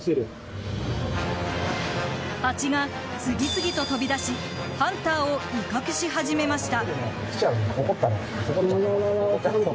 ハチが次々と飛び出しハンターを威嚇し始めました。